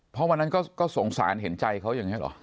เพราะวันนั้นก็สงสารเห็นใจเขาอย่างนี้หรอ